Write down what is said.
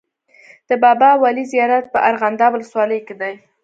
د بابا ولي زیارت په ارغنداب ولسوالۍ کي دی.